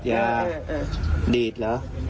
ติดยาดีดเหรอ